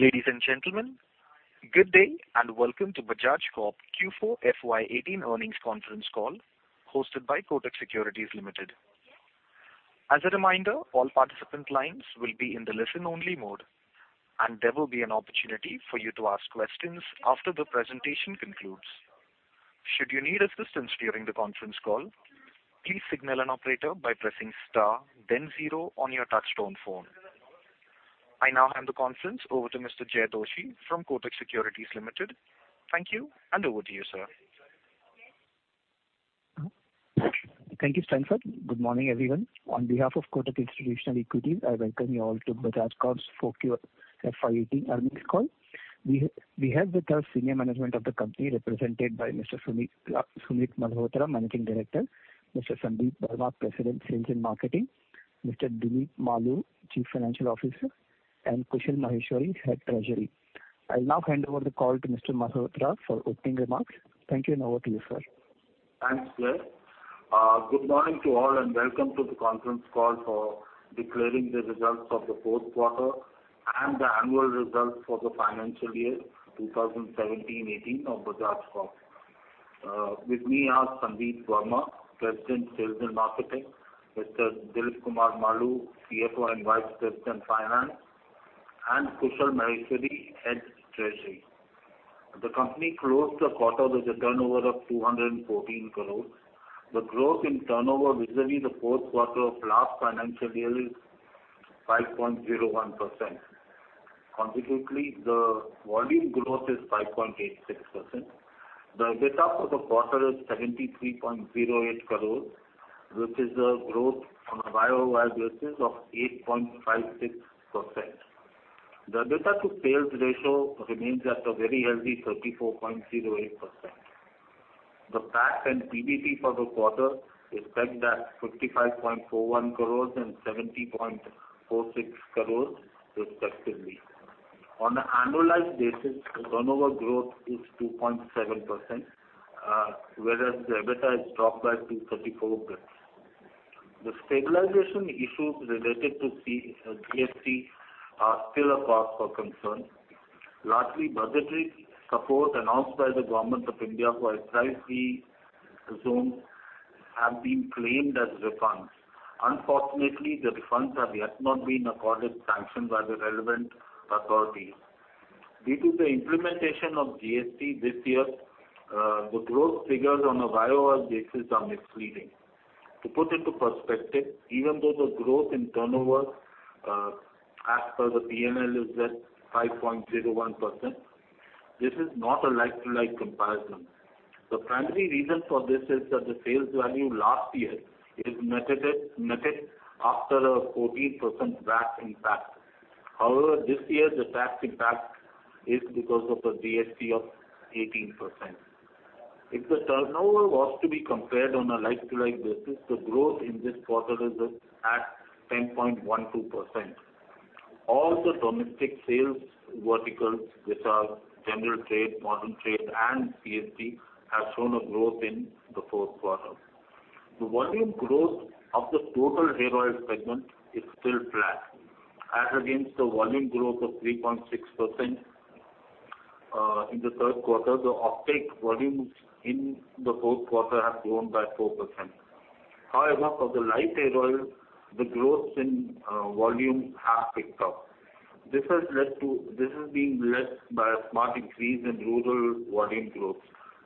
Ladies and gentlemen, good day and welcome to Bajaj Corp Q4 FY 2018 earnings conference call hosted by Kotak Securities Limited. As a reminder, all participant lines will be in the listen only mode, and there will be an opportunity for you to ask questions after the presentation concludes. Should you need assistance during the conference call, please signal an operator by pressing star then zero on your touchtone phone. I now hand the conference over to Mr. Jay Doshi from Kotak Securities Limited. Thank you, and over to you, sir. Thank you, Stanford. Good morning, everyone. On behalf of Kotak Institutional Equities, I welcome you all to Bajaj Corp's Q4 FY 2018 earnings call. We have with us senior management of the company represented by Mr. Sumit Malhotra, Managing Director, Mr. Sandip Verma, President, Sales and Marketing, Mr. Dilip Malu, Chief Financial Officer, and Kushal Maheshwari, Head, Treasury. I will now hand over the call to Mr. Malhotra for opening remarks. Thank you, and over to you, sir. Thanks, Jay. Good morning to all and welcome to the conference call for declaring the results of the fourth quarter and the annual results for the financial year 2017/2018 of Bajaj Corp. With me are Sandip Verma, President, Sales and Marketing, Mr. Dilip Kumar Malu, CFO and Vice President, Finance, and Kushal Maheshwari, Head, Treasury. The company closed the quarter with a turnover of 214 crores. The growth in turnover vis-à-vis the fourth quarter of last financial year is 5.01%. Consequently, the volume growth is 5.86%. The EBITDA for the quarter is 73.08 crores, which is a growth on a year-over-year basis of 8.56%. The EBITDA to sales ratio remains at a very healthy 34.08%. The PAT and PBT for the quarter is pegged at 55.41 crores and 70.46 crores respectively. On an annualized basis, the turnover growth is 2.7%, whereas the EBITDA has dropped by 234 basis points. The stabilization issues related to GST are still a cause for concern. Largely, budgetary support announced by the Government of India for SEZ zones have been claimed as refunds. Unfortunately, the refunds have yet not been accorded sanction by the relevant authorities. Due to the implementation of GST this year, the growth figures on a year-over-year basis are misleading. To put into perspective, even though the growth in turnover as per the P&L is at 5.01%, this is not a like-to-like comparison. The primary reason for this is that the sales value last year is netted after a 14% VAT impact. However, this year the tax impact is because of the GST of 18%. If the turnover was to be compared on a like-to-like basis, the growth in this quarter is at 10.12%. All the domestic sales verticals which are general trade, modern trade, and CSD have shown a growth in the fourth quarter. The volume growth of the total hair oil segment is still flat. As against the volume growth of 3.6% in the third quarter, the off-take volumes in the fourth quarter have grown by 4%. However, for the Light Hair Oil, the growth in volume has picked up. This is being led by a smart increase in rural volume growth.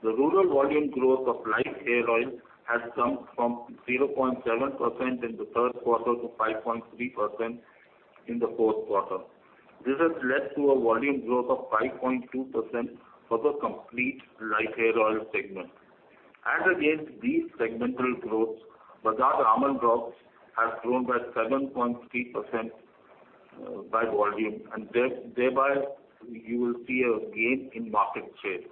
The rural volume growth of Light Hair Oil has jumped from 0.7% in the third quarter to 5.3% in the fourth quarter. This has led to a volume growth of 5.2% for the complete Light Hair Oil segment. As against these segmental growths, Bajaj Almond Drops has grown by 7.3% by volume and thereby you will see a gain in market share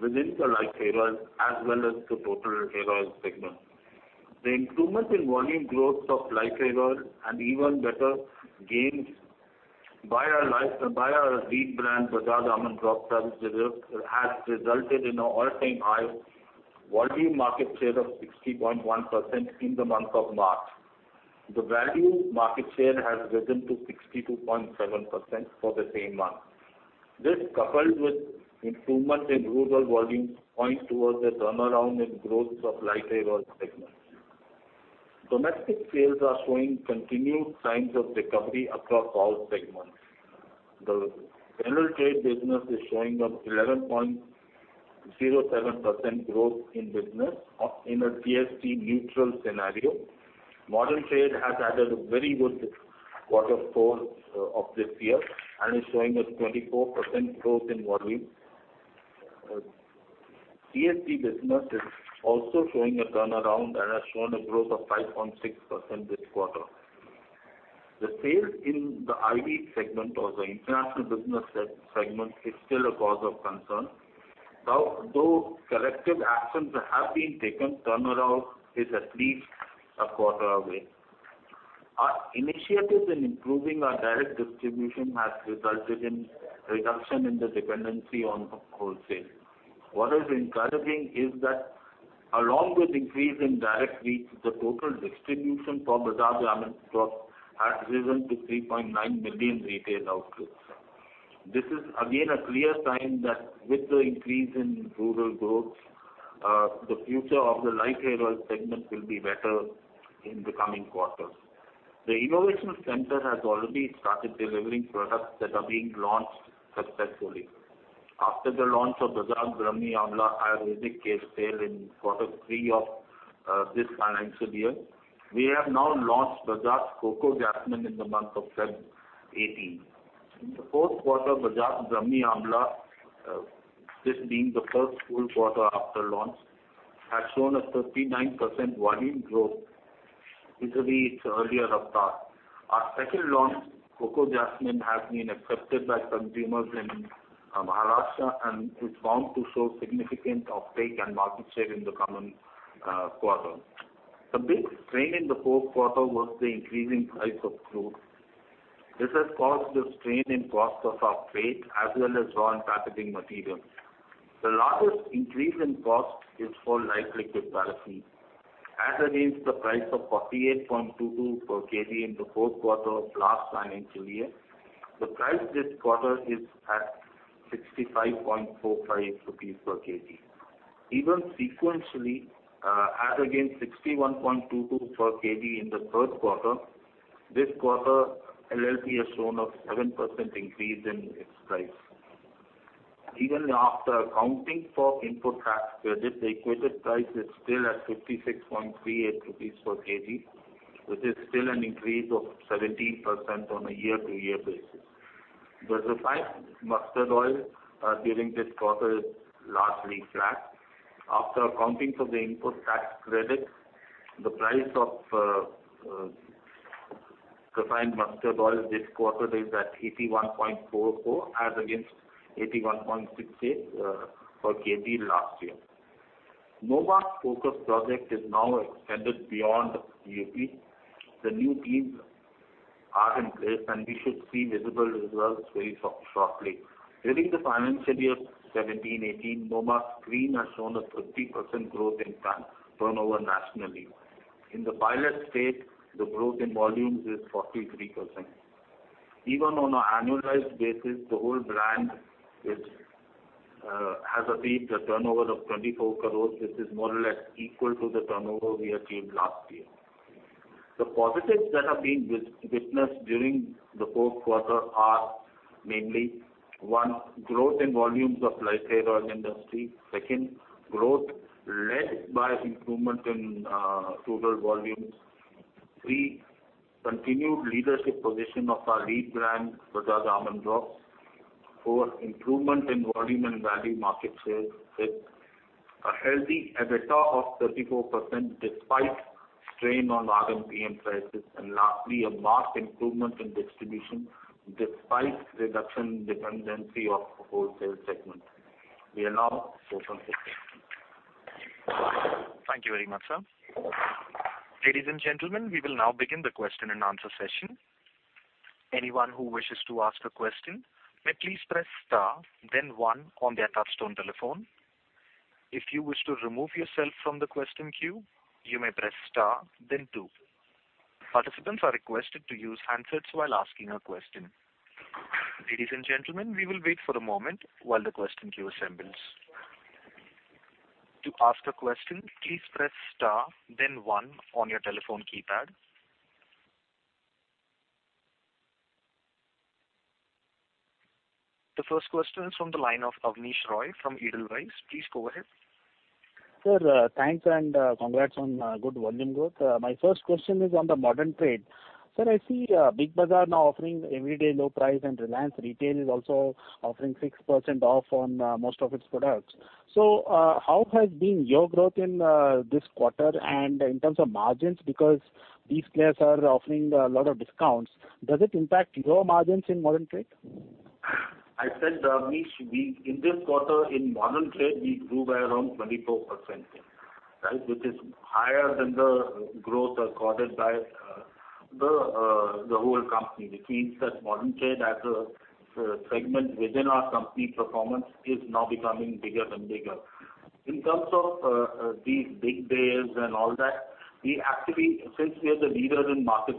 within the Light Hair Oil as well as the total hair oil segment. The improvement in volume growth of Light Hair Oil and even better gains by our lead brand, Bajaj Almond Drops, has resulted in an all-time high volume market share of 60.1% in the month of March. The value market share has risen to 62.7% for the same month. This coupled with improvement in rural volumes points towards a turnaround in growth of Light Hair Oil segment. Domestic sales are showing continued signs of recovery across all segments. The general trade business is showing an 11.07% growth in business in a GST neutral scenario. Modern trade has added a very good quarter four of this year and is showing a 24% growth in volume. CSD business is also showing a turnaround and has shown a growth of 5.6% this quarter. The sales in the IB segment or the international business segment is still a cause of concern. Though corrective actions have been taken, turnaround is at least a quarter away. Our initiatives in improving our direct distribution has resulted in reduction in the dependency on wholesale. What is encouraging is that Along with increase in direct reach, the total distribution for Bajaj Almond Drops has risen to 3.9 million retail outlets. This is again a clear sign that with the increase in rural growth, the future of the Light Hair Oil segment will be better in the coming quarters. The innovation center has already started delivering products that are being launched successfully. After the launch of Bajaj Brahmi Amla Ayurvedic Hair Oil in quarter three of this financial year, we have now launched Bajaj Coco Jasmine in the month of Feb 2018. In the fourth quarter, Bajaj Brahmi Amla, this being the first full quarter after launch, has shown a 39% volume growth vis-à-vis its earlier avatar. Our second launch, Coco Jasmine, has been accepted by consumers in Maharashtra and is bound to show significant uptake and market share in the coming quarter. The big strain in the fourth quarter was the increasing price of crude. This has caused a strain in cost of our freight as well as raw and packaging materials. The largest increase in cost is for light liquid paraffin. As against the price of 48.22 per kg in the fourth quarter of last financial year, the price this quarter is at 65.45 rupees per kg. Even sequentially, as against 61.22 per kg in the third quarter, this quarter LLP has shown a 7% increase in its price. Even after accounting for input tax credit, the equated price is still at 56.38 rupees per kg, which is still an increase of 17% on a year-over-year basis. The refined mustard oil during this quarter is largely flat. After accounting for the input tax credit, the price of refined mustard oil this quarter is at 81.44 as against 81.68 per kg last year. Nomarks' focus project is now extended beyond U.P. The new teams are in place, and we should see visible results very shortly. During the financial year 2017/2018, Nomarks Cream has shown a 50% growth in turnover nationally. In the pilot state, the growth in volumes is 43%. Even on an annualized basis, the whole brand has achieved a turnover of INR. 24 crores, which is more or less equal to the turnover we achieved last year. The positives that have been witnessed during the fourth quarter are mainly: One, growth in volumes of Light Hair Oil industry. Second, growth led by improvement in rural volumes. Three, continued leadership position of our lead brand, Bajaj Almond Drops. Four, improvement in volume and value market share. Fifth, a healthy EBITDA of 34% despite strain on RMPM prices. Lastly, a marked improvement in distribution despite reduction in dependency of wholesale segment. We are now open for questions. Thank you very much, sir. Ladies and gentlemen, we will now begin the question and answer session. Anyone who wishes to ask a question may please press star then one on their touch-tone telephone. If you wish to remove yourself from the question queue, you may press star then two. Participants are requested to use handsets while asking a question. Ladies and gentlemen, we will wait for a moment while the question queue assembles. To ask a question, please press star then one on your telephone keypad. The first question is from the line of Abneesh Roy from Edelweiss. Please go ahead. Sir, thanks and congrats on good volume growth. My first question is on the modern trade. Sir, I see Big Bazaar now offering everyday low price and Reliance Retail is also offering 6% off on most of its products. How has been your growth in this quarter and in terms of margins, because these players are offering a lot of discounts, does it impact your margins in modern trade? I said, Abneesh, in this quarter in modern trade, we grew by around 24%, right? Which is higher than the growth recorded by the whole company, which means that modern trade as a segment within our company performance is now becoming bigger and bigger. In terms of these big deals and all that, since we are the leader in market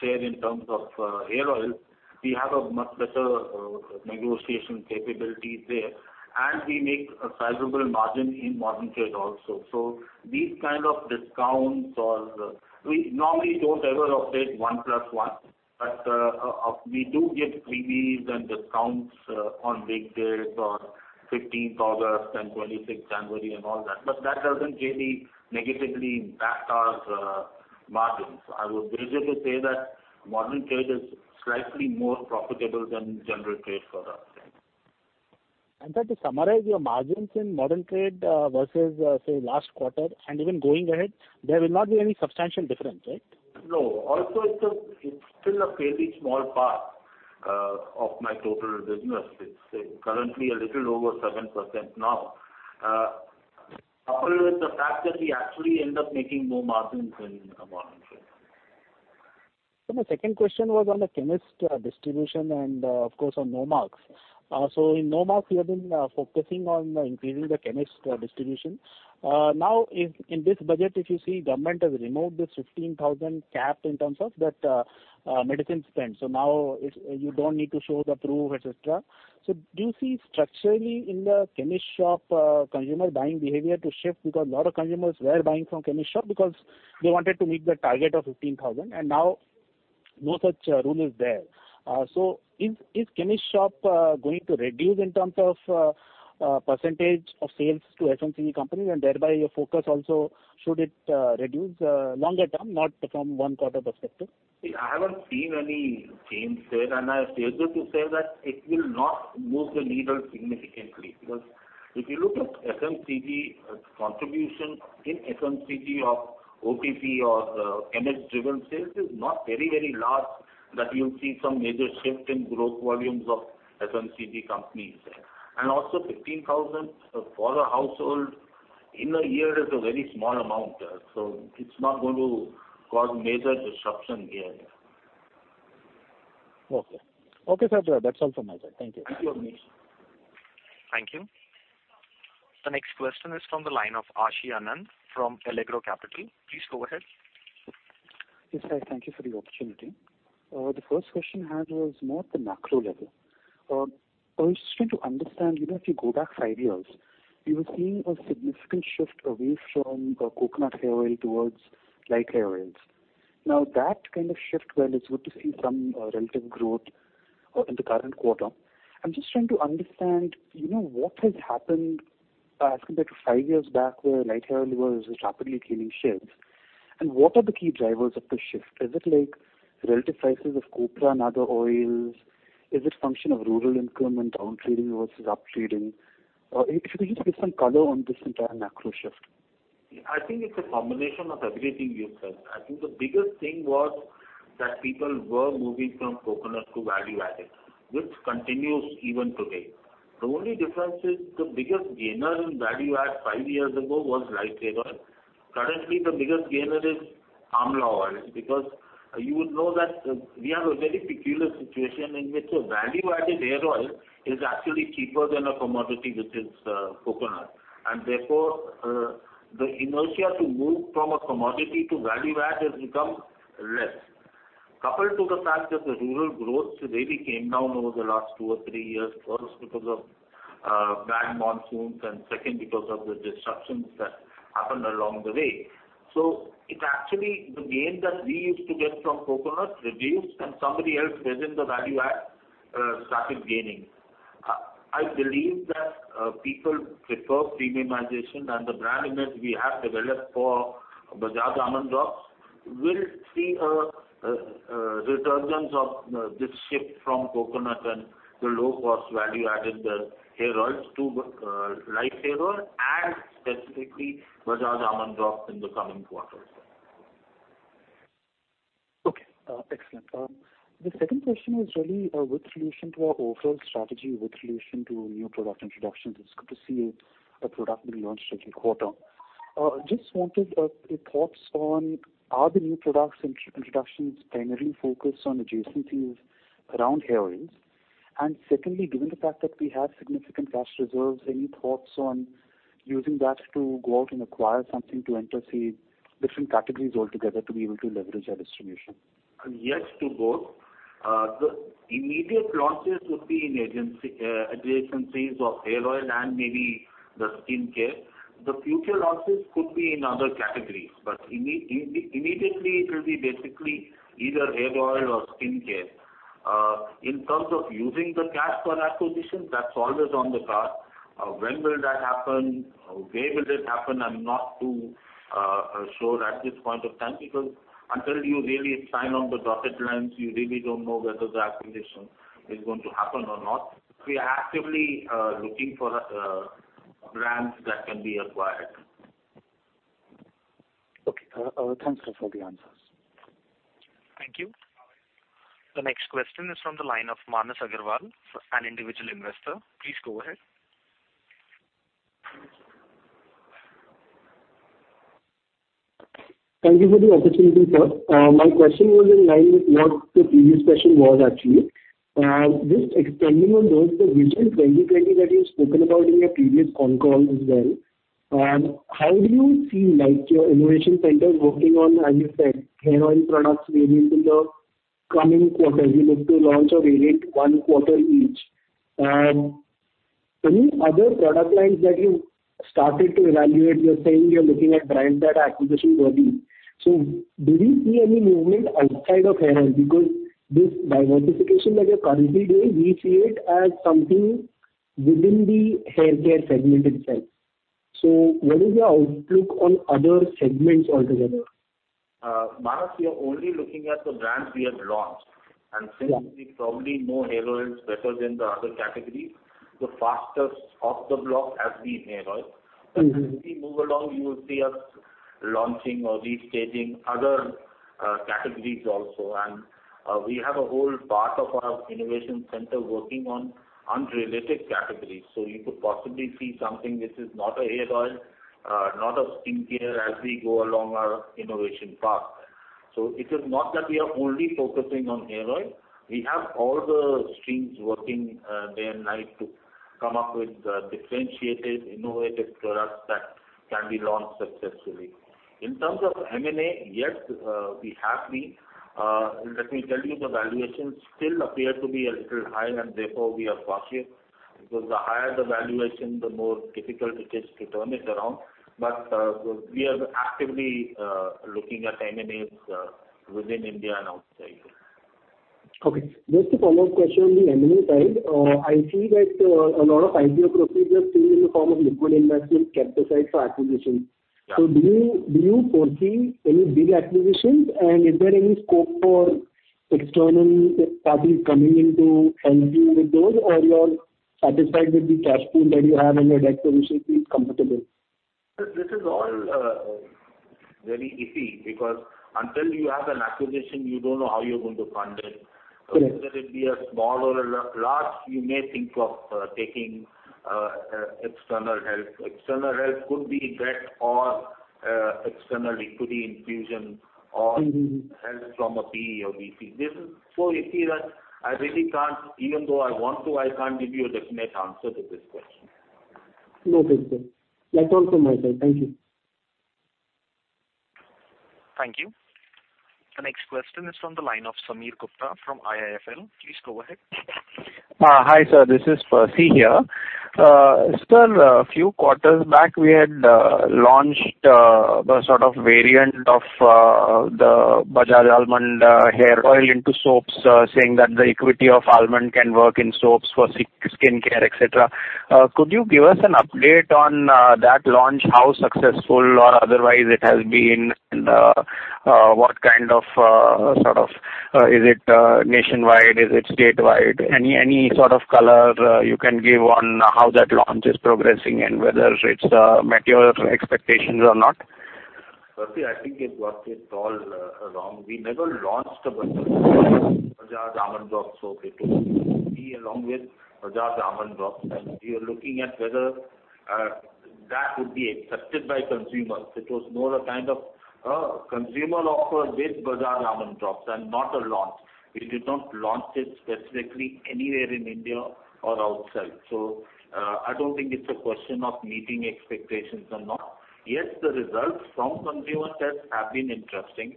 share in terms of hair oils, we have a much better negotiation capability there, and we make a sizable margin in modern trade also. These kind of discounts or We normally don't ever offer one plus one, but we do give freebies and discounts on big deals on 15th August and 26th January and all that. But that doesn't really negatively impact our margins. I would rather say that modern trade is slightly more profitable than general trade for us, right. Sir, to summarize your margins in modern trade versus, say, last quarter and even going ahead, there will not be any substantial difference, right? No. It's still a fairly small part of my total business. It's currently a little over 7% now. Coupled with the fact that we actually end up making more margins in modern trade. My second question was on the chemist distribution and of course on Nomarks. In Nomarks, we have been focusing on increasing the chemist distribution. Now in this budget, if you see Government has removed this 15,000 cap in terms of that medicine spend. Now you don't need to show the proof, et cetera. Do you see structurally in the chemist shop consumer buying behavior to shift because a lot of consumers were buying from chemist shop because they wanted to meet the target of 15,000, and now no such rule is there. Is chemist shop going to reduce in terms of percentage of sales to FMCG companies and thereby your focus also, should it reduce longer term, not from one quarter perspective? I haven't seen any change there. I dare to say that it will not move the needle significantly because if you look at FMCG contribution in FMCG of OTC or MS driven sales is not very large, that you'll see some major shift in growth volumes of FMCG companies there. Also 15,000 for a household in a year is a very small amount there. It's not going to cause major disruption here. Okay. Okay, sir. That's all from my side. Thank you. Thank you, Avnish. Thank you. The next question is from the line of Ashi Anand from Allegro Capital. Please go ahead. Yes, sir, thank you for the opportunity. The first question I had was more at the macro level. I was just trying to understand, if you go back five years, we were seeing a significant shift away from coconut hair oil towards Light Hair Oil. That kind of shift, well, it's good to see some relative growth in the current quarter. I'm just trying to understand, what has happened as compared to five years back, where Light Hair Oil was rapidly gaining shares, and what are the key drivers of the shift? Is it relative prices of copra and other oils? Is it function of rural income and downtrading versus up trading? If you could just give some color on this entire macro shift. I think it's a combination of everything you've said. I think the biggest thing was that people were moving from coconut to value-added, which continues even today. The only difference is the biggest gainer in value add five years ago was Light Hair Oil. Currently, the biggest gainer is Amla oil, because you would know that we have a very peculiar situation in which a value-added hair oil is actually cheaper than a commodity, which is coconut. Therefore, the inertia to move from a commodity to value add has become less. Coupled to the fact that the rural growth really came down over the last two or three years, first because of bad monsoons, and second because of the disruptions that happened along the way. It's actually the gain that we used to get from coconut reduced and somebody else within the value-add started gaining. I believe that people prefer premiumization and the brand image we have developed for Bajaj Almond Drops will see a resurgence of this shift from coconut and the low-cost value-added hair oils to Light Hair Oil and specifically Bajaj Almond Drops in the coming quarters. Okay. Excellent. The second question was really with relation to our overall strategy, with relation to new product introductions. It's good to see a product being launched every quarter. Just wanted your thoughts on are the new product introductions primarily focused on adjacencies around hair oils? Secondly, given the fact that we have significant cash reserves, any thoughts on using that to go out and acquire something to enter, say, different categories altogether to be able to leverage our distribution? Yes to both. The immediate launches would be in adjacencies of hair oil and maybe the skin care. The future launches could be in other categories, but immediately it will be basically either hair oil or skin care. In terms of using the cash for acquisition, that is always on the card. When will that happen? Where will it happen? I am not too sure at this point of time, because until you really sign on the dotted lines, you really don't know whether the acquisition is going to happen or not. We are actively looking for brands that can be acquired. Okay. Thanks, sir, for the answers. Thank you. The next question is from the line of Manas Agarwal, an individual investor. Please go ahead. Thank you for the opportunity, sir. My question was in line with what the previous question was actually. Just expanding on those, the vision 2020 that you've spoken about in your previous con calls as well, how do you feel like your innovation center is working on, as you said, hair oil products maybe in the coming quarters, you look to launch or evaluate one quarter each. Any other product lines that you started to evaluate? You're saying you're looking at brands that are acquisition worthy. Do we see any movement outside of hair oil? Because this diversification that you're currently doing, we see it as something within the hair care segment itself. What is your outlook on other segments altogether? Manas, we are only looking at the brands we have launched. Since we probably know hair oils better than the other categories, the fastest off the block has been hair oil. As we move along, you will see us launching or restaging other categories also. We have a whole part of our innovation center working on unrelated categories. You could possibly see something which is not a hair oil, not a skincare as we go along our innovation path. It is not that we are only focusing on hair oil. We have all the streams working day and night to come up with differentiated, innovative products that can be launched successfully. In terms of M&A, yes, we have been. Let me tell you, the valuations still appear to be a little high, and therefore, we are cautious, because the higher the valuation, the more difficult it is to turn it around. We are actively looking at M&As within India and outside. Okay. Just a follow-up question on the M&A side. I see that a lot of IPO proceeds are still in the form of liquid investments kept aside for acquisitions. Do you foresee any big acquisitions, and is there any scope for external parties coming in to help you with those? You are satisfied with the cash pool that you have in your deck, you should be comfortable? This is all very iffy, because until you have an acquisition, you don't know how you're going to fund it. Correct. Whether it be a small or a large, you may think of taking external help. External help could be debt or external equity infusion. help from a PE or VC. This is so iffy that I really can't, even though I want to, I can't give you a definite answer to this question. No problem. That's all from my side. Thank you. Thank you. The next question is from the line of Sameer Gupta from IIFL. Please go ahead. Hi, sir. This is Percy here. Sir, a few quarters back, we had launched a sort of variant of the Bajaj Almond Hair Oil into soaps, saying that the equity of almond can work in soaps for skincare, et cetera. Could you give us an update on that launch, how successful or otherwise it has been? What kind of? Is it nationwide? Is it statewide? Any sort of color you can give on how that launch is progressing and whether it's met your expectations or not? Percy, I think you've got it all wrong. We never launched a Bajaj Almond Drops soap. It was free along with Bajaj Almond Drops, we were looking at whether that would be accepted by consumers. It was more a kind of a consumer offer with Bajaj Almond Drops and not a launch. We did not launch it specifically anywhere in India or outside. I don't think it's a question of meeting expectations or not. Yes, the results from consumer tests have been interesting,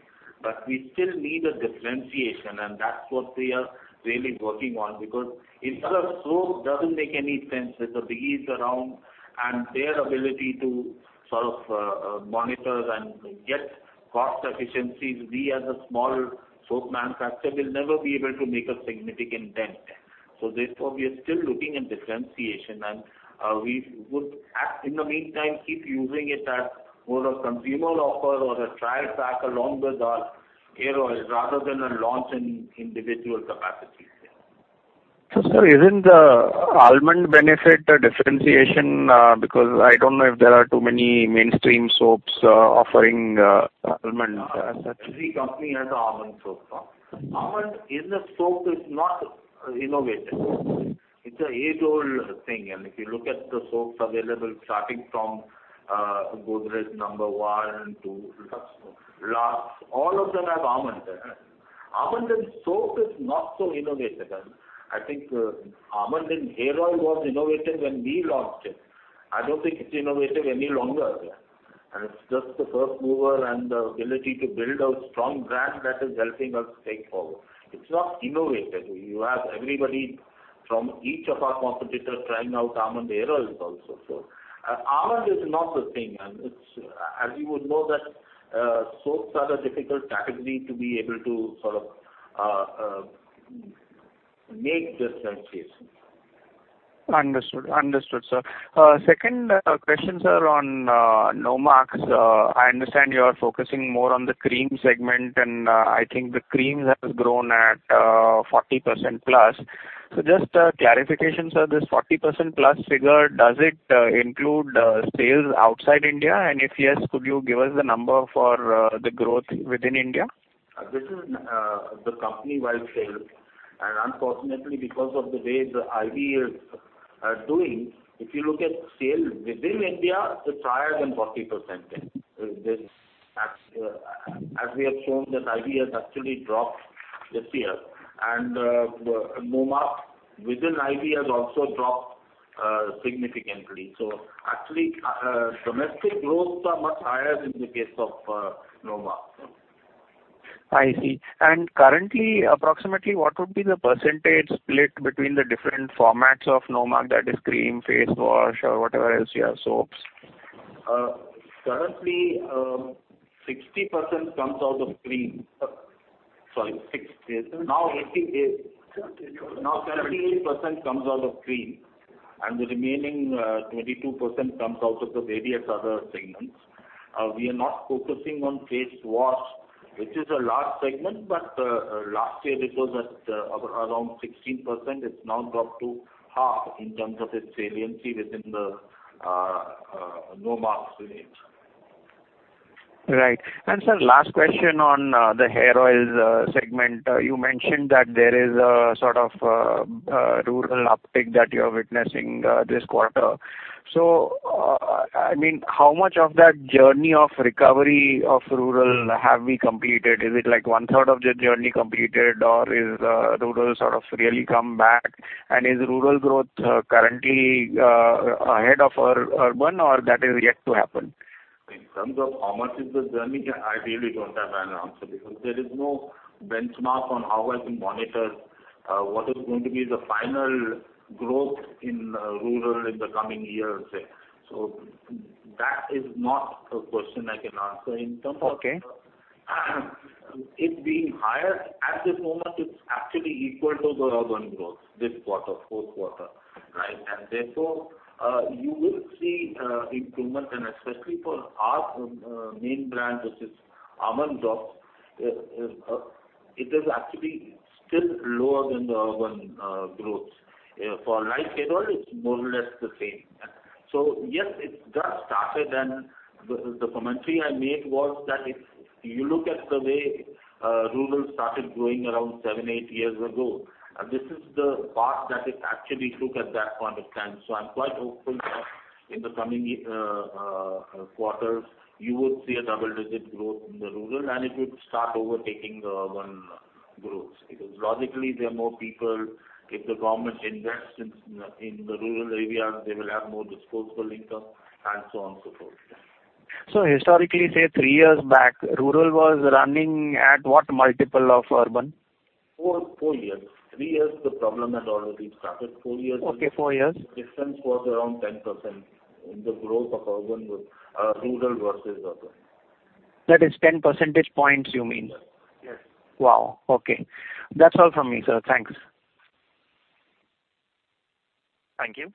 we still need a differentiation, that's what we are really working on because if our soap doesn't make any sense with the MNCs around and their ability to sort of monitor and get cost efficiencies, we as a small soap manufacturer will never be able to make a significant dent. Therefore, we are still looking at differentiation, we would, in the meantime, keep using it as more of a consumer offer or a trial pack along with our hair oil rather than a launch in individual capacities. Sir, isn't the almond benefit a differentiation? I don't know if there are too many mainstream soaps offering almond as such. Every company has almond soap. Almond in the soap is not innovative. It's an age-old thing, if you look at the soaps available starting from Godrej No. 1 to Lux, all of them have almond. Almond in soap is not so innovative. I think almond in hair oil was innovative when we launched it. I don't think it's innovative any longer. It's just the first mover and the ability to build a strong brand that is helping us take forward. It's not innovative. You have everybody from each of our competitors trying out almond hair oils also. Almond is not the thing, as you would know that soaps are a difficult category to be able to sort of make differentiation. Understood, sir. Second question, sir, on Nomarks. I understand you are focusing more on the cream segment, and I think the creams have grown at 40% plus. Just a clarification, sir. This 40% plus figure, does it include sales outside India? If yes, could you give us the number for the growth within India? This is the company-wide sales. Unfortunately, because of the way the IB is doing, if you look at sales within India, it's higher than 40%. As we have shown that IB has actually dropped this year, and Nomarks within IB has also dropped significantly. Actually, domestic growth are much higher in the case of Nomarks. I see. Currently, approximately what would be the percentage split between the different formats of Nomarks, that is cream, face wash, or whatever else you have, soaps? Currently, 60% comes out of cream. Sorry, now 78% comes out of cream, the remaining 22% comes out of the various other segments. We are not focusing on face wash, which is a large segment, last year it was at around 16%. It's now dropped to half in terms of its saliency within the Nomarks range. Right. Sir, last question on the hair oils segment. You mentioned that there is a sort of rural uptick that you are witnessing this quarter. How much of that journey of recovery of rural have we completed? Is it like one third of the journey completed, or is rural sort of really come back? Is rural growth currently ahead of urban, or that is yet to happen? In terms of how much is the journey, I really don't have an answer, because there is no benchmark on how I can monitor what is going to be the final growth in rural in the coming year, say. That is not a question I can answer. Okay. In terms of it being higher, at this moment, it's actually equal to the urban growth this quarter, fourth quarter. Therefore, you will see improvement, especially for our main brand, which is Almond Drops, it is actually still lower than the urban growth. For Light Hair Oil, it's more or less the same. Yes, it just started, the commentary I made was that if you look at the way rural started growing around seven, eight years ago, this is the path that it actually took at that point of time. I'm quite hopeful that in the coming quarters, you would see a double-digit growth in the rural, it would start overtaking the urban growth. Logically, there are more people. If the government invests in the rural areas, they will have more disposable income, and so on, so forth. Historically, say, three years back, rural was running at what multiple of urban? Four years. Three years, the problem had already started. Four years. Okay, four years. The difference was around 10% in the growth of rural versus urban. That is 10 percentage points, you mean? Yes. Wow, okay. That's all from me, sir. Thanks. Thank you.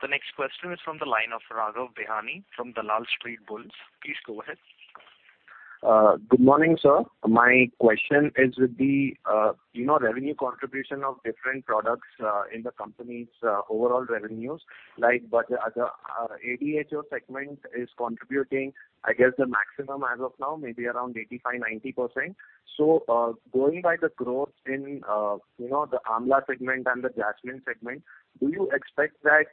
The next question is from the line of Raghav Behani from Dalal Street Bulls. Please go ahead. Good morning, sir. My question is with the revenue contribution of different products in the company's overall revenues. Like, the ADHO segment is contributing, I guess, the maximum as of now, maybe around 85%, 90%. Going by the growth in the amla segment and the jasmine segment, do you expect that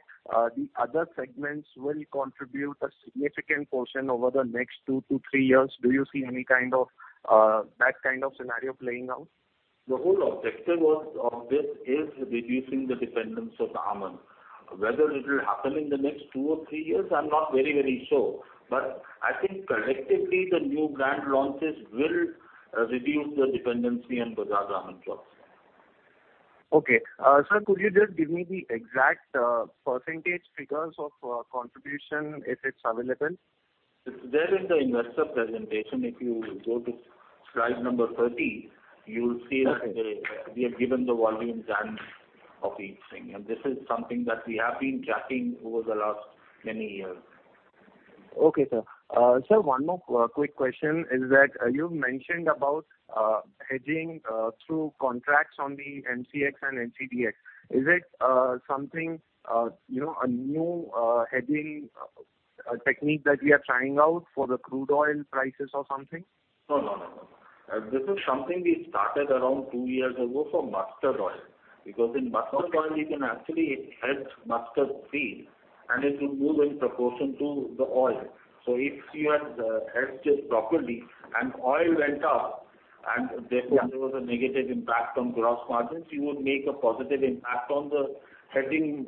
the other segments will contribute a significant portion over the next two to three years? Do you see any kind of that kind of scenario playing out? The whole objective of this is reducing the dependence of the almond. Whether it will happen in the next two or three years, I'm not very sure. I think collectively, the new brand launches will reduce the dependency on Bajaj Almond Drops. Okay. Sir, could you just give me the exact percentage figures of contribution, if it's available? It's there in the investor presentation. If you go to slide number 30, you'll see that we have given the volumes and of each thing, this is something that we have been tracking over the last many years. Okay, sir. Sir, one more quick question is that you mentioned about hedging through contracts on the MCX and NCDEX. Is it a new hedging technique that we are trying out for the crude oil prices or something? No. This is something we started around 2 years ago for mustard oil, because in mustard oil, you can actually hedge mustard seeds, and it would move in proportion to the oil. If you had hedged it properly and oil went up, and therefore there was a negative impact on gross margins, you would make a positive impact on the hedging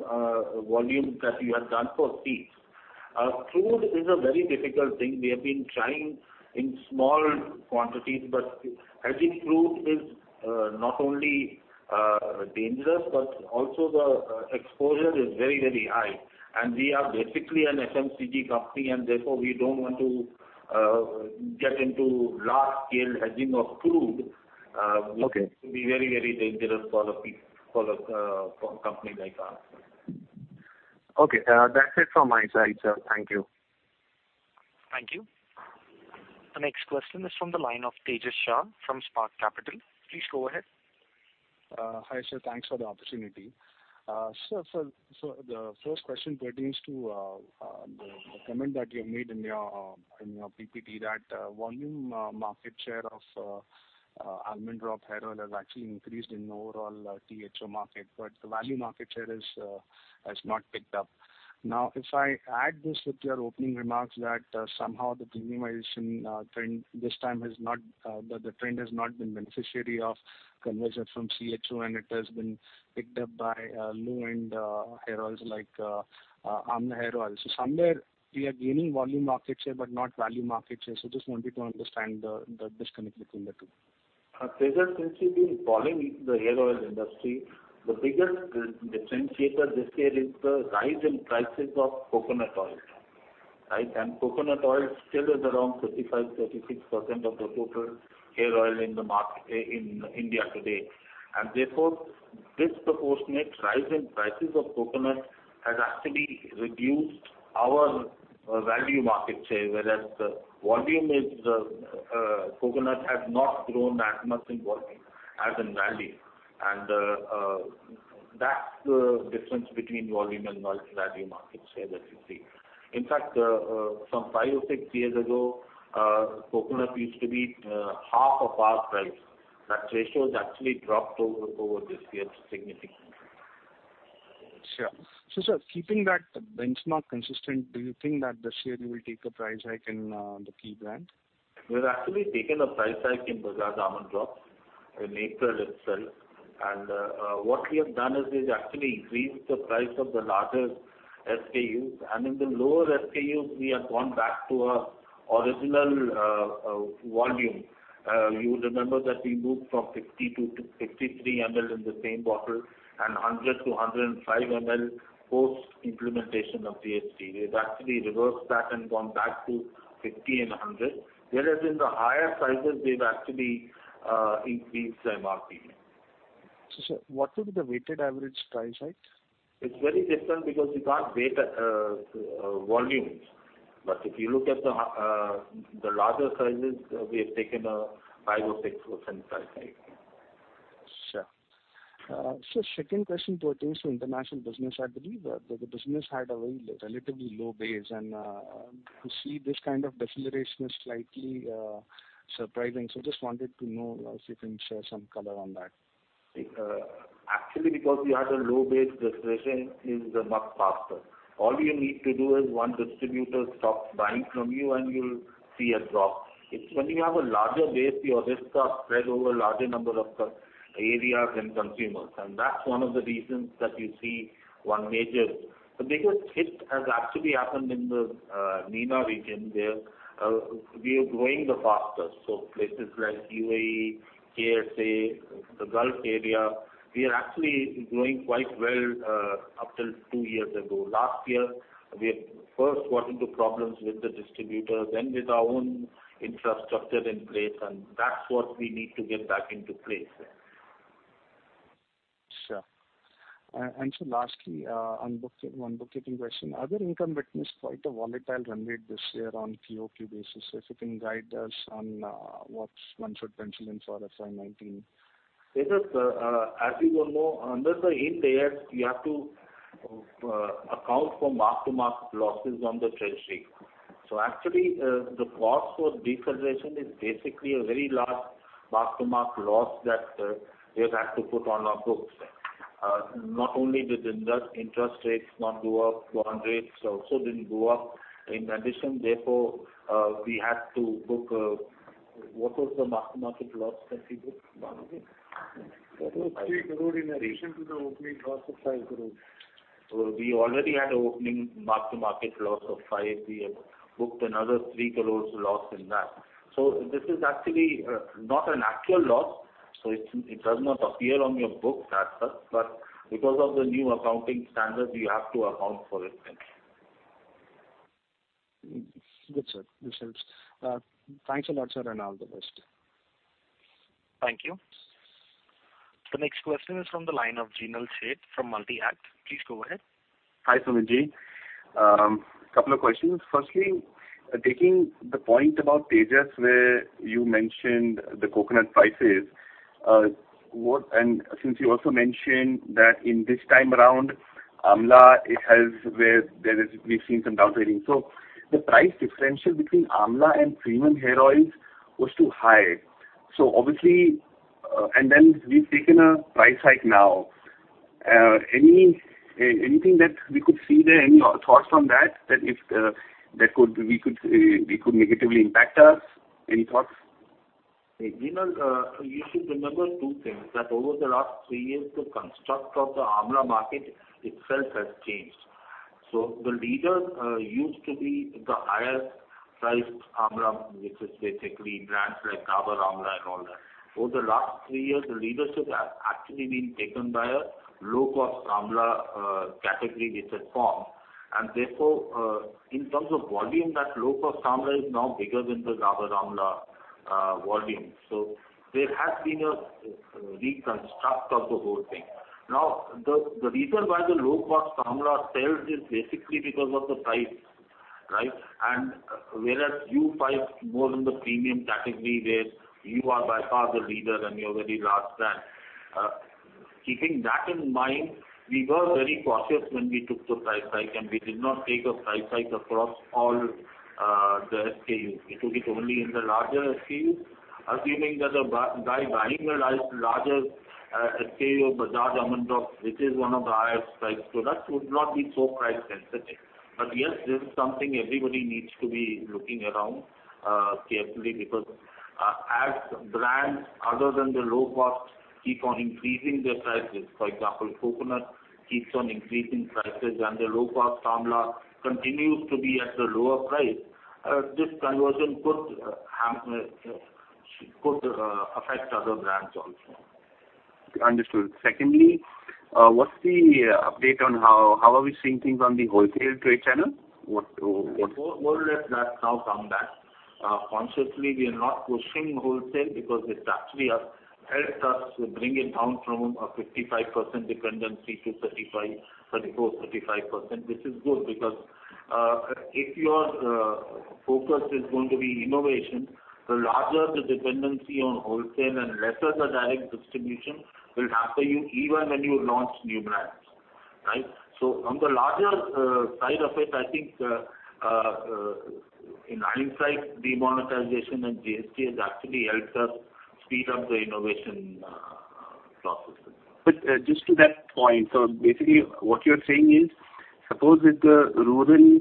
volume that you had done for seeds. Crude is a very difficult thing. We have been trying in small quantities, but hedging crude is not only dangerous, but also the exposure is very high. We are basically an FMCG company, and therefore, we don't want to get into large-scale hedging of crude. Okay. It would be very dangerous for a company like ours. Okay. That's it from my side, sir. Thank you. Thank you. The next question is from the line of Tejash Shah from Spark Capital. Please go ahead. Hi, sir. Thanks for the opportunity. Sir, the first question pertains to the comment that you made in your PPT that volume market share of Almond Drops hair oil has actually increased in overall THO market, but the value market share has not picked up. If I add this with your opening remarks that somehow the premiumization trend this time the trend has not been beneficiary of conversion from CHO, and it has been picked up by low-end hair oils like amla hair oils. Somewhere we are gaining volume market share but not value market share. Just wanted to understand the disconnect between the two. Tejash, since we've been following the hair oil industry, the biggest differentiator this year is the rise in prices of coconut oil. Coconut oil still is around 35%, 36% of the total hair oil in India today. Therefore, disproportionate rise in prices of coconut has actually reduced our value market share. Whereas, coconut has not grown that much in volume as in value. That's the difference between volume and value market share that you see. In fact, some five or six years ago, Coconut used to be half of our price. That ratio has actually dropped over this year significantly. Sure. Sir, keeping that benchmark consistent, do you think that this year you will take a price hike in the key brand? We've actually taken a price hike in Bajaj Almond Drops in April itself. What we have done is we've actually increased the price of the larger SKUs, and in the lower SKUs, we have gone back to our original volume. You would remember that we moved from 52 to 53 ml in the same bottle and 100 to 105 ml post-implementation of GST. We've actually reversed that and gone back to 50 and 100. Whereas in the higher sizes, we've actually increased the MRP. What would be the weighted average price hike? It's very different because you can't weight volumes. If you look at the larger sizes, we have taken a 5% or 6% price hike. Sure. Second question pertains to international business. I believe that the business had a very relatively low base, and to see this kind of deceleration is slightly surprising. Just wanted to know if you can share some color on that. Actually, because we had a low base, deceleration is much faster. All you need to do is one distributor stops buying from you, and you'll see a drop. It's when you have a larger base, your risks are spread over a larger number of areas and consumers, and that's one of the reasons that you see one major The biggest hit has actually happened in the MENA region, where we are growing the fastest. Places like UAE, KSA, the Gulf area, we are actually growing quite well until two years ago. Last year, we first got into problems with the distributors, then with our own infrastructure in place, and that's what we need to get back into place there. Sure. Lastly, one bookkeeping question. Other income witnessed quite a volatile run rate this year on QOQ basis. If you can guide us on what one should pencil in for FY 2019. Tejash, as you all know, under the Ind AS, you have to account for mark-to-market losses on the treasury. Actually, the cause for deceleration is basically a very large mark-to-market loss that we have had to put on our books. Not only did interest rates not go up, loan rates also didn't go up. In addition, therefore, we had to book What was the mark-to-market loss that we booked, Balaji? That was INR 3 crore in addition to the opening loss of INR 5 crore. We already had an opening mark-to-market loss of 5 crore. We have booked another 3 crore loss in that. This is actually not an actual loss, so it does not appear on your books as such, but because of the new accounting standard, you have to account for it. Good, sir. This helps. Thanks a lot, sir, and all the best. Thank you. The next question is from the line of Jinal Sheth from Multi-Act. Please go ahead. Hi, Sumit-ji. Couple of questions. Firstly, taking the point about Tejash, where you mentioned the Coconut prices, and since you also mentioned that in this time around, amla, we've seen some downgrading. The price differential between amla and premium hair oils was too high. We've taken a price hike now. Anything that we could see there? Any thoughts on that it could negatively impact us? Any thoughts? Jinal, you should remember two things, that over the last three years, the construct of the amla market itself has changed. The leader used to be the higher-priced amla, which is basically brands like Dabur Amla and all that. Over the last three years, the leadership has actually been taken by a low-cost amla category which has formed. In terms of volume, that low-cost amla is now bigger than the Dabur Amla volume. There has been a reconstruct of the whole thing. The reason why the low-cost amla sells is basically because of the price. Whereas you fight more in the premium category, where you are by far the leader and you are very large brand. Keeping that in mind, we were very cautious when we took the price hike, and we did not take a price hike across all the SKUs. It would be only in the larger SKUs, assuming that a guy buying a larger SKU of Bajaj Almond Drops, which is one of the highest priced products, would not be so price-sensitive. Yes, this is something everybody needs to be looking around carefully because as brands other than the low-cost keep on increasing their prices, for example, Coconut keeps on increasing prices and the low-cost amla continues to be at the lower price, this conversion could affect other brands also. Understood. Secondly, what's the update on how are we seeing things on the wholesale trade channel? Wholesale has now come back. Consciously, we are not pushing wholesale because it actually has helped us bring it down from a 55% dependency to 34%, 35%, which is good because if your focus is going to be innovation, the larger the dependency on wholesale and lesser the direct distribution will happen even when you launch new brands. Right? On the larger side of it, I think in hindsight, demonetization and GST has actually helped us speed up the innovation processes. Just to that point, basically what you're saying is, suppose if the rural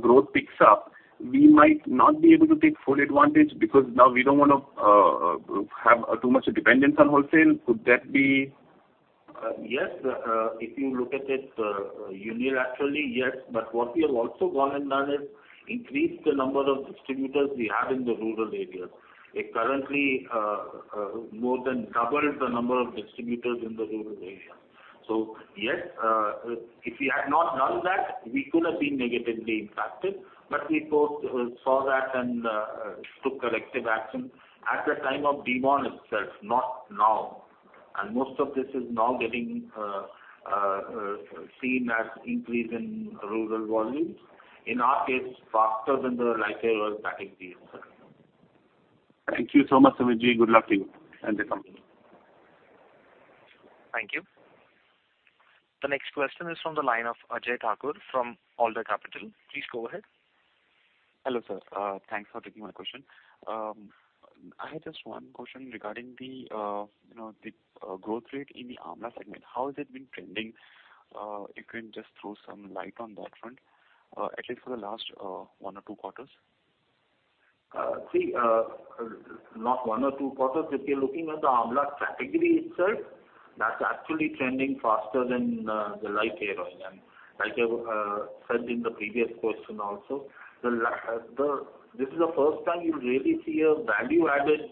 growth picks up, we might not be able to take full advantage because now we don't want to have too much dependence on wholesale. Could that be? Yes. If you look at it unilaterally, yes. What we have also gone and done is increase the number of distributors we have in the rural areas. We currently more than doubled the number of distributors in the rural areas. Yes, if we had not done that, we could have been negatively impacted, but we saw that and took corrective action at the time of demonetization itself, not now. Most of this is now getting seen as increase in rural volumes. In our case, faster than the Light Hair Oil category itself. Thank you so much, Sumit Ji. Good luck to you and the company. Thank you. The next question is from the line of Ajay Thakur from Alder Capital. Please go ahead. Hello, sir. Thanks for taking my question. I had just one question regarding the growth rate in the Amla segment. How has it been trending? If you can just throw some light on that front, at least for the last one or two quarters. Not one or two quarters. If you're looking at the Amla category itself, that's actually trending faster than the Light Hair Oil. Like I said in the previous question also, this is the first time you really see a value-added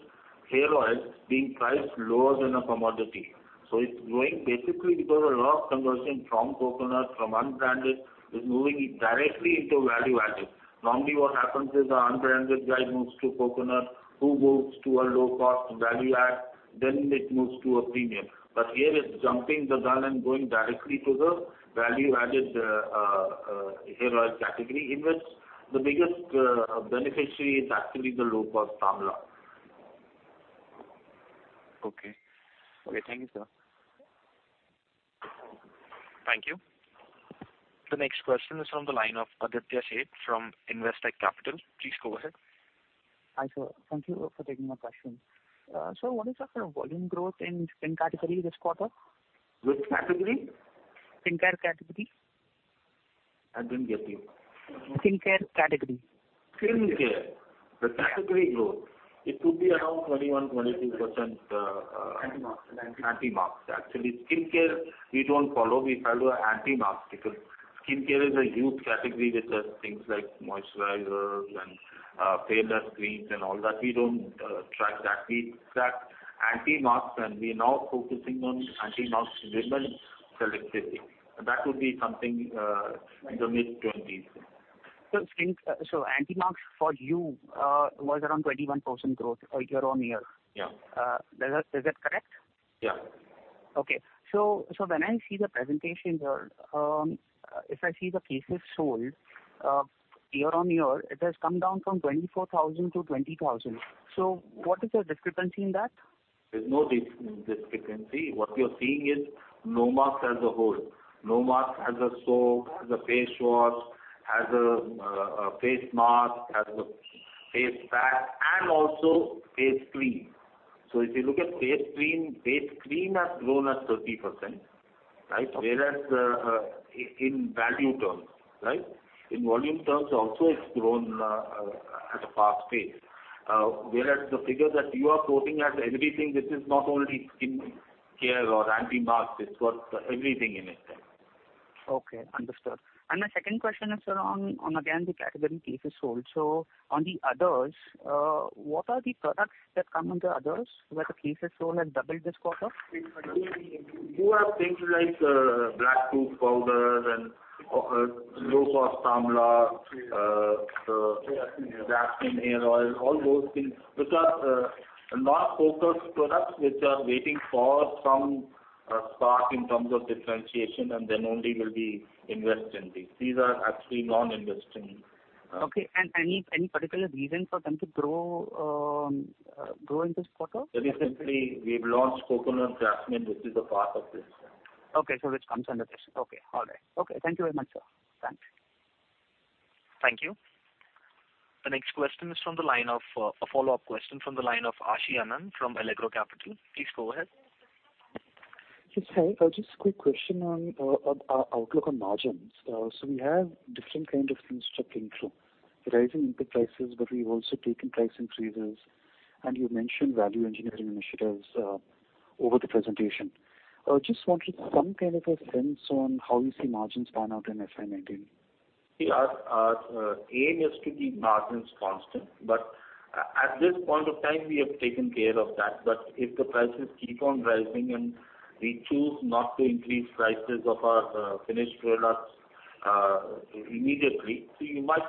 hair oil being priced lower than a commodity. It's growing basically because a lot of conversion from coconut, from unbranded, is moving directly into value-added. Normally, what happens is the unbranded guy moves to coconut, who moves to a low-cost value add, then it moves to a premium. Here, it's jumping the gun and going directly to the value-added hair oil category, in which the biggest beneficiary is actually the low-cost Amla. Thank you, sir. Thank you. The next question is from the line of Aditya Sheth from Investec Capital. Please go ahead. Hi, sir. Thank you for taking my question. Sir, what is your volume growth in skin category this quarter? Which category? Skincare category. I didn't get you. Skincare category. Skincare. The category growth. It could be around 21%, 22%. Anti-marks. Anti-marks. Actually, skincare, we don't follow. We follow anti-marks because skincare is a huge category with things like moisturizers and fairness creams and all that. We don't track that. We track anti-marks, and we're now focusing on anti-marks, women selectively. That would be something in the mid-20s. Anti-marks for you was around 21% growth year-on-year. Yeah. Is that correct? Yeah. Okay. When I see the presentation, sir, if I see the cases sold year-on-year, it has come down from 24,000 to 20,000. What is the discrepancy in that? There's no discrepancy. What you're seeing is Nomarks as a whole. Nomarks as a soap, as a face wash, as a face mask, as a face pack, and also face cream. If you look at face cream, face cream has grown at 30%, right? Whereas in value terms. In volume terms also, it's grown at a fast pace. Whereas the figure that you are quoting has everything. This is not only skin care or anti-marks, it's got everything in it. Okay, understood. My second question is, sir, on again, the category cases sold. On the others, what are the products that come under others, where the cases sold have doubled this quarter? You have things like black tooth powder and low-cost Amla, jasmine hair oil, all those things which are non-focused products which are waiting for some spark in terms of differentiation and then only will we invest in these. These are actually non-investing. Okay. Any particular reason for them to grow in this quarter? Very simply, we've launched Bajaj Coco Jasmine, which is a part of this. Okay, which comes under this. Okay. All right. Okay. Thank you very much, sir. Thanks. Thank you. A follow-up question from the line of Ashi Anand from Allegro Capital. Please go ahead. Yes. Hi. Just a quick question on our outlook on margins. We have different kind of winds tripping through. Rising input prices, but we've also taken price increases, and you mentioned value engineering initiatives over the presentation. Just wanted some kind of a sense on how you see margins pan out in FY 2019. Our aim is to keep margins constant, but at this point of time, we have taken care of that. If the prices keep on rising and we choose not to increase prices of our finished products immediately, you might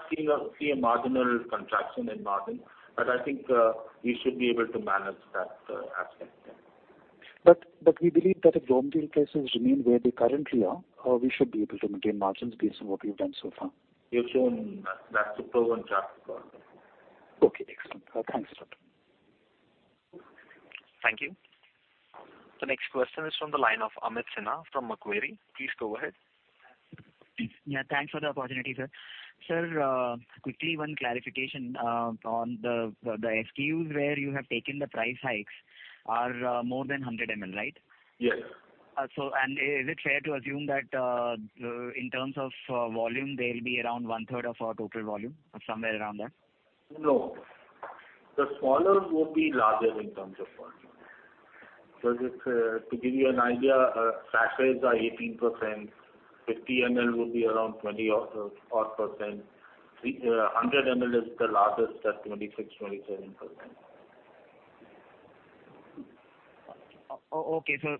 see a marginal contraction in margin. I think we should be able to manage that aspect. We believe that if raw material prices remain where they currently are, we should be able to maintain margins based on what we've done so far. You've shown that superb one chart. Okay, excellent. Thanks, sir. Thank you. The next question is from the line of Amit Sinha from Macquarie. Please go ahead. Yeah, thanks for the opportunity, sir. Sir, quickly, one clarification on the SKUs where you have taken the price hikes are more than 100 ml, right? Yes. Is it fair to assume that, in terms of volume, they'll be around one-third of our total volume or somewhere around that? No. The smaller would be larger in terms of volume. To give you an idea, sachets are 18%, 50 ml would be around 20-odd%, 100 ml is the largest at 26%, 27%. Okay, sir.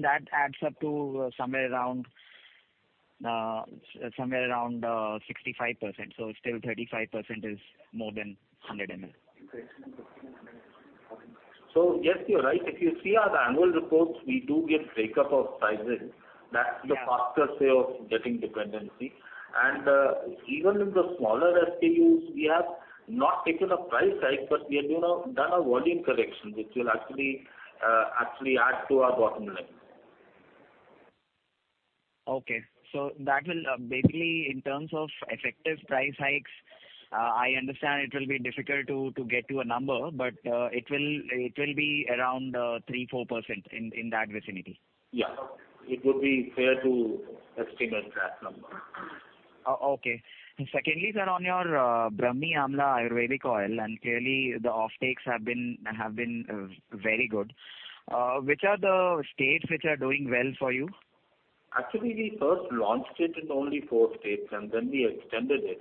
That adds up to somewhere around 65%. Still 35% is more than 100 ml. Yes, you are right. If you see our annual reports, we do give breakup of sizes. That is the faster way of getting dependency. Even in the smaller SKUs, we have not taken a price hike, but we have done a volume correction, which will actually add to our bottom line. Okay. That will basically, in terms of effective price hikes, I understand it will be difficult to get to a number, but it will be around 3%, 4% in that vicinity. Yeah. It would be fair to estimate that number. Okay. Secondly, sir, on your Brahmi Amla Ayurvedic Oil, clearly the offtakes have been very good. Which are the states which are doing well for you? Actually, we first launched it in only four states, then we extended it.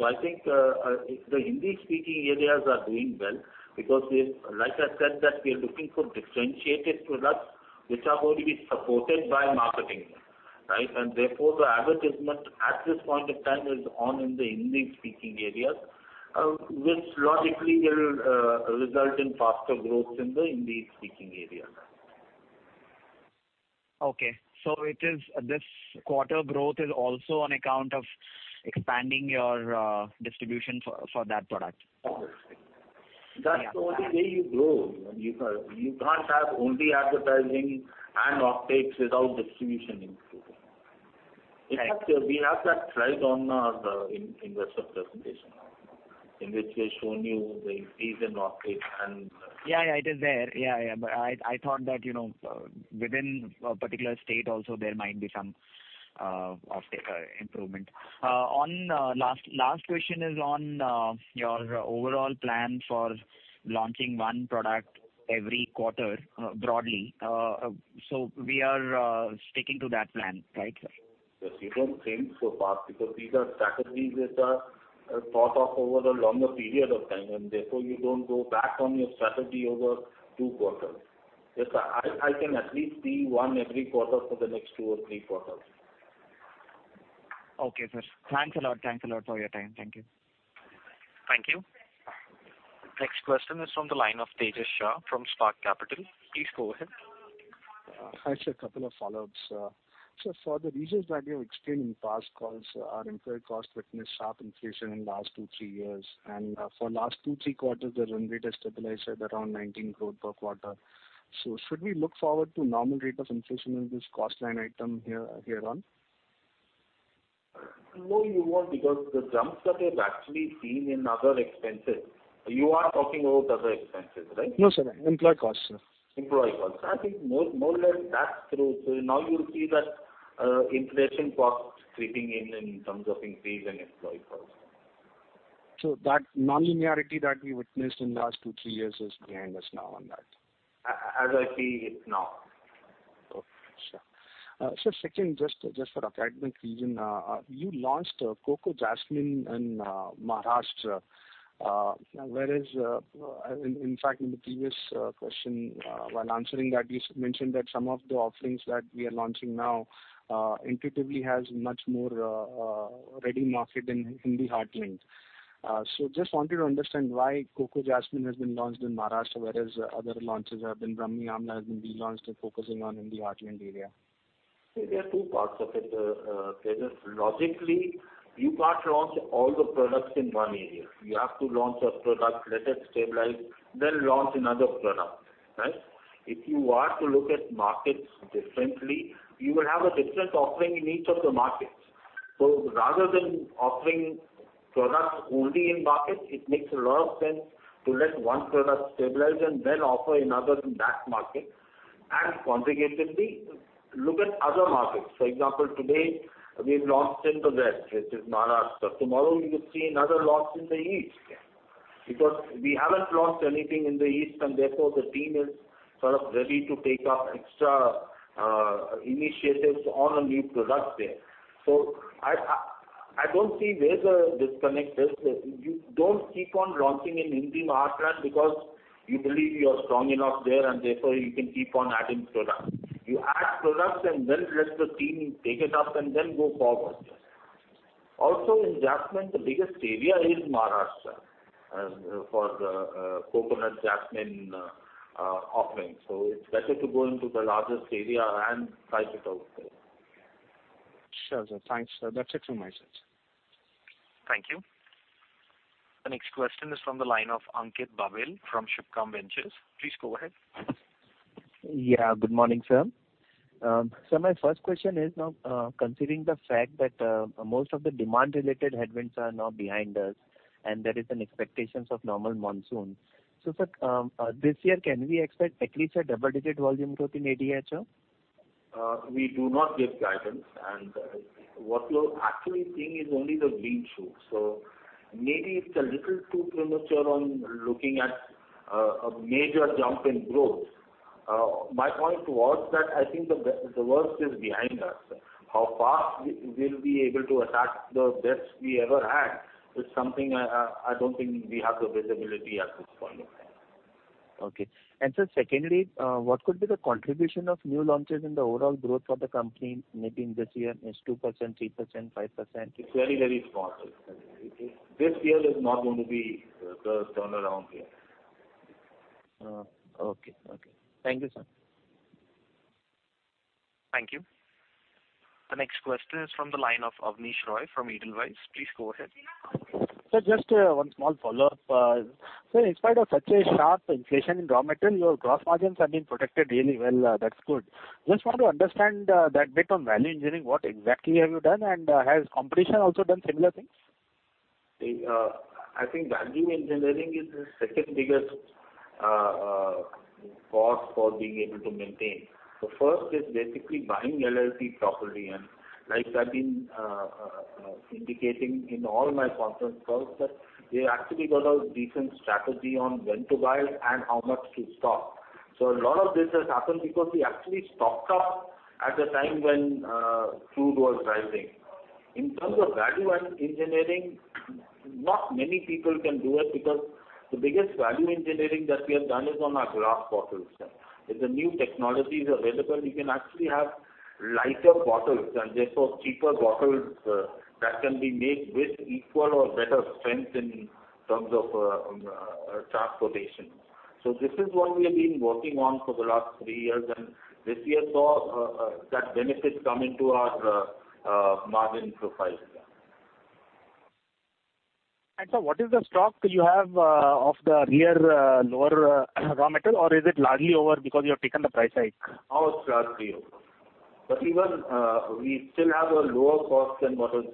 I think, the Hindi-speaking areas are doing well because like I said, that we are looking for differentiated products which are going to be supported by marketing. Therefore, the advertisement at this point in time is on in the English-speaking areas, which logically will result in faster growth in the Hindi-speaking areas. Okay. This quarter growth is also on account of expanding your distribution for that product. That's the only way you grow. You can't have only advertising and offtakes without distribution input. In fact, we have that slide on our investor presentation, in which we've shown you the increase in offtake. Yeah, it is there. I thought that within a particular state also, there might be some offtake improvement. Last question is on your overall plan for launching one product every quarter broadly. We are sticking to that plan, right, sir? Yes, you don't think so fast because these are strategies which are thought of over a longer period of time, and therefore you don't go back on your strategy over two quarters. Yes, I can at least see one every quarter for the next two or three quarters. Okay, sir. Thanks a lot for your time. Thank you. Thank you. Next question is from the line of Tejash Shah from Spark Capital. Please go ahead. Hi, sir, a couple of follow-ups. Sir, for the reasons that you have explained in past calls, our employee cost witnessed sharp inflation in last two, three years. For last two, three quarters, the run rate has stabilized at around 19 crore per quarter. Should we look forward to normal rate of inflation in this cost line item hereon? No, you won't because the jumps that we've actually seen in other expenses. You are talking about other expenses, right? No, sir. Employee costs, sir. Employee costs. I think more or less that's true. Now you'll see that inflation cost creeping in terms of increase in employee costs. That non-linearity that we witnessed in last two, three years is behind us now on that. As I see it now. Okay. Sure. Sir, second, just for academic reason, you launched Coco Jasmine in Maharashtra. In fact, in the previous question, while answering that, you mentioned that some of the offerings that we are launching now intuitively has much more ready market in Hindi Heartland. Just wanted to understand why Coco Jasmine has been launched in Maharashtra, whereas other launches have been Brahmi Amla has been relaunched and focusing on Hindi Heartland area. There are two parts of it, Tejash. Logically, you can't launch all the products in one area. You have to launch a product, let it stabilize, then launch another product. If you are to look at markets differently, you will have a different offering in each of the markets. Rather than offering products only in markets, it makes a lot of sense to let one product stabilize and then offer another in that market, and conjugatively look at other markets. For example, today we've launched in Pune, which is Maharashtra. Tomorrow you will see another launch in the east, because we haven't launched anything in the east, and therefore the team is sort of ready to take up extra initiatives on a new product there. I don't see where the disconnect is. You don't keep on launching in Hindi Heartland because you believe you are strong enough there, and therefore you can keep on adding products. You add products and then let the team take it up and then go forward. Also in jasmine, the biggest area is Maharashtra for coconut jasmine offerings. It's better to go into the largest area and try it out there. Sure, sir. Thanks. That's it from my side, sir. Thank you. The next question is from the line of Ankit Babel from Subhkam Ventures. Please go ahead. Yeah. Good morning, sir. Sir, my first question is now considering the fact that most of the demand-related headwinds are now behind us and there is an expectations of normal monsoon. Sir, this year can we expect at least a double-digit volume growth in ADHO? We do not give guidance and what you're actually seeing is only the green shoots. Maybe it's a little too premature on looking at a major jump in growth. My point was that I think the worst is behind us. How fast we'll be able to attack the best we ever had is something I don't think we have the visibility at this point in time. Okay. Sir, secondly, what could be the contribution of new launches in the overall growth for the company, maybe in this year? Is 2%, 3%, 5%? It's very, very small. This year is not going to be the turnaround year. Okay. Thank you, sir. Thank you. The next question is from the line of Abneesh Roy from Edelweiss. Please go ahead. Sir, just one small follow-up. Sir, in spite of such a sharp inflation in raw material, your gross margins have been protected really well. That's good. Just want to understand that bit on value engineering. What exactly have you done and has competition also done similar things? I think value engineering is the second biggest cost for being able to maintain. The first is basically buying LLP properly and like I've been indicating in all my conference calls that we actually got a decent strategy on when to buy and how much to stock. A lot of this has happened because we actually stocked up at the time when crude was rising. In terms of value and engineering, not many people can do it because the biggest value engineering that we have done is on our glass bottles. With the new technologies available, you can actually have lighter bottles and therefore cheaper bottles that can be made with equal or better strength in terms of transportation. This is what we have been working on for the last three years and this year saw that benefit come into our margin profile. Sir, what is the stock you have of the year lower raw material or is it largely over because you have taken the price hike? Our stock's three years. Even we still have a lower cost than what is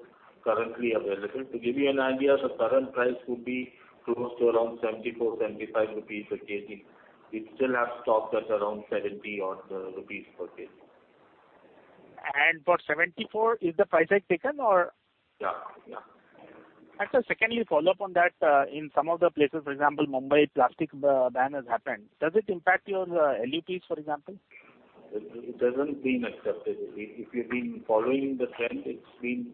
currently available. To give you an idea, the current price would be close to around 74 rupees, 75 rupees per kg. We still have stock that's around 70 rupees odd per kg. For 74, is the price hike taken or? Yeah. Sir, secondly, follow up on that. In some of the places, for example, Mumbai plastic ban has happened. Does it impact your LPs, for example? It hasn't been accepted. If you've been following the trend, it's been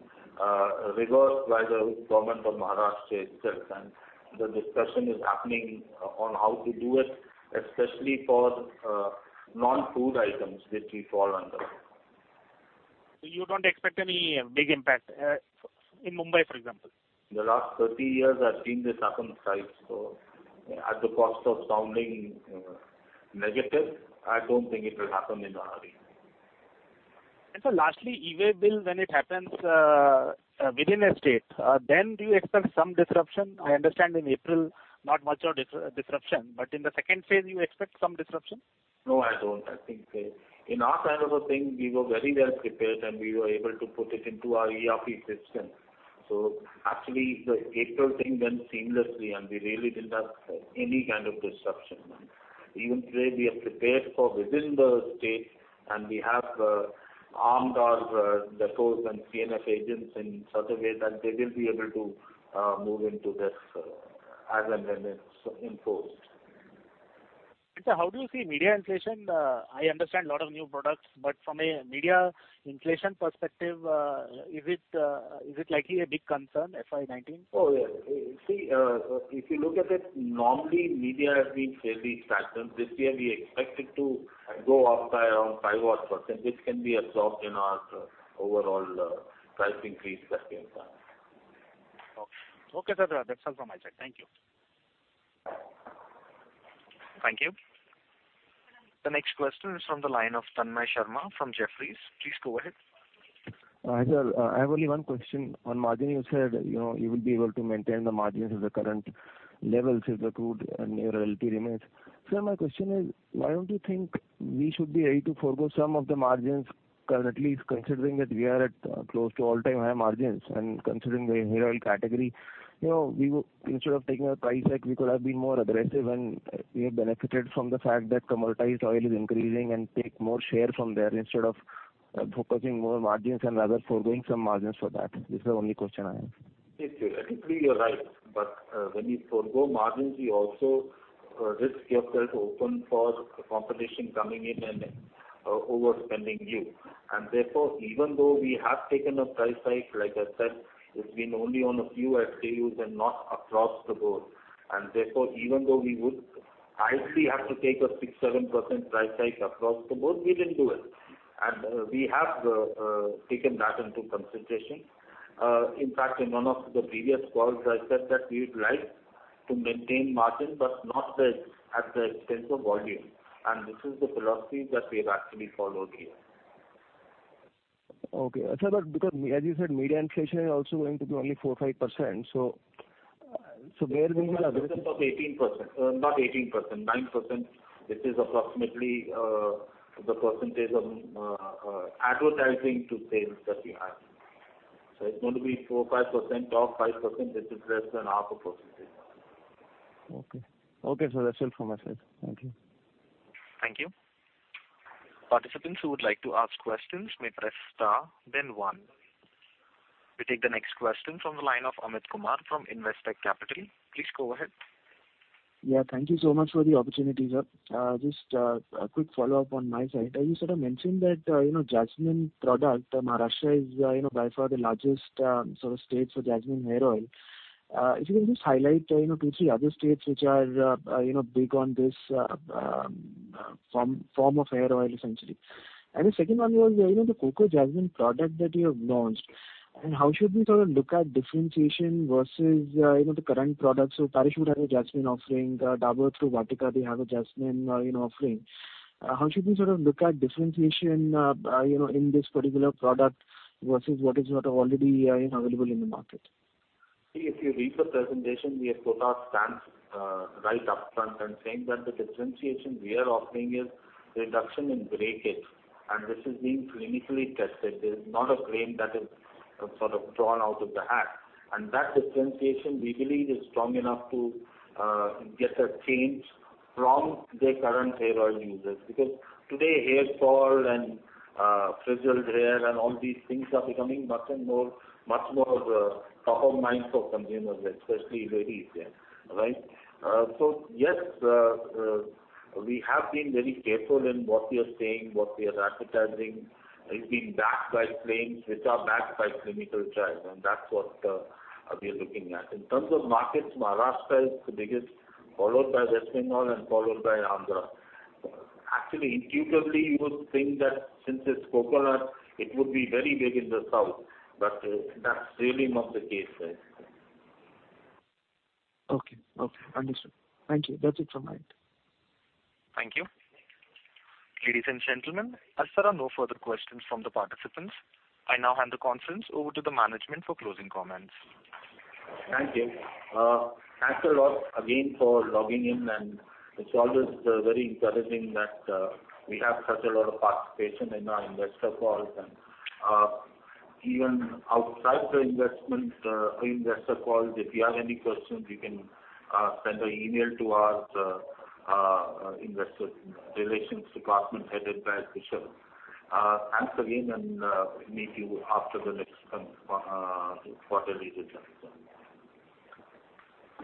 reversed by the Government of Maharashtra itself and the discussion is happening on how to do it especially for non-food items which we fall under. You don't expect any big impact in Mumbai, for example? The last 30 years I've seen this happen twice at the cost of sounding negative, I don't think it will happen in a hurry. Sir lastly, e-Way Bill when it happens within a state then do you expect some disruption? I understand in April not much of disruption, but in the second phase you expect some disruption? No, I don't. I think in our kind of a thing we were very well prepared and we were able to put it into our ERP system. Actually the April thing went seamlessly and we really didn't have any kind of disruption. Even today we are prepared for within the state and we have armed our depots and C&F agents in such a way that they will be able to move into this as and when it's enforced. Sir how do you see media inflation? I understand lot of new products but from a media inflation perspective is it likely a big concern FY 2019? Oh yeah. See, if you look at it normally media has been fairly stagnant. This year we expect it to go up by around 5-odd % which can be absorbed in our overall price increase that we have done. Okay sir. That's all from my side. Thank you. Thank you. The next question is from the line of Tanmay Sharma from Jefferies. Please go ahead. Hi sir. I have only one question. On margin you said you would be able to maintain the margins at the current levels if the crude and your LLP remains. Sir, my question is why don't you think we should be ready to forego some of the margins currently considering that we are at close to all-time high margins and considering the hair oil category. Instead of taking a price hike we could have been more aggressive and we have benefited from the fact that commoditized oil is increasing and take more share from there instead of focusing more margins and rather foregoing some margins for that. This is the only question I have. See, I think you're right but when you forego margins you also risk yourself open for competition coming in and overspending you. Therefore, even though we have taken a price hike like I said it's been only on a few SKUs and not across the board and therefore even though If we have to take a 6%, 7% price hike across the board, we didn't do it. We have taken that into consideration. In fact, in one of the previous calls, I said that we would like to maintain margin, but not at the expense of volume. This is the philosophy that we have actually followed here. Okay. Sir, because as you said, media inflation is also going to be only 4%, 5%. Where will the- of 18%, not 18%, 9%, which is approximately the percentage of advertising to sales that we have. It is going to be 4%, 5% of 5%, which is less than half a percentage. Okay, sir. That is it from my side. Thank you. Thank you. Participants who would like to ask questions may press star then one. We take the next question from the line of Amit Kumar from Investec Capital. Please go ahead. Yeah, thank you so much for the opportunity, sir. Just a quick follow-up on my side. You sort of mentioned that Jasmine product, Maharashtra is by far the largest sort of state for Jasmine hair oil. If you can just highlight two, three other states which are big on this form of hair oil essentially. The second one was the Bajaj Coco Jasmine product that you have launched. How should we sort of look at differentiation versus the current products? Parachute has a Jasmine offering, Dabur through Vatika, they have a Jasmine offering. How should we sort of look at differentiation in this particular product versus what is sort of already available in the market? If you read the presentation, we have put our stance right up front saying that the differentiation we are offering is reduction in breakage, and this is being clinically tested. This is not a claim that is sort of drawn out of the hat. That differentiation, we believe, is strong enough to get a change from the current hair oil users. Today, hair fall and frizzled hair and all these things are becoming much more of a top of mind for consumers, especially ladies there. Right? Yes, we have been very careful in what we are saying, what we are advertising is being backed by claims which are backed by clinical trials, and that's what we are looking at. In terms of markets, Maharashtra is the biggest, followed by West Bengal and followed by Andhra. Actually, intuitively, you would think that since it's coconut, it would be very big in the south, that's really not the case there. Okay. Understood. Thank you. That's it from my end. Thank you. Ladies and gentlemen, as there are no further questions from the participants, I now hand the conference over to the management for closing comments. Thank you. Thanks a lot again for logging in, and it's always very encouraging that we have such a lot of participation in our investor calls. Even outside the investor calls, if you have any questions, you can send an email to our investor relations department headed by Vishal. Thanks again, and meet you after the next quarterly results.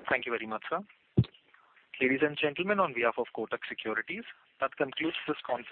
Thank you very much, sir. Ladies and gentlemen, on behalf of Kotak Securities, that concludes this conference.